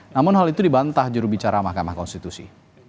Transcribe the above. namun hal itu dibantah jurubicara mahkamah konstitusi